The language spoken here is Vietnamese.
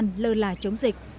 nhưng lơ là chống dịch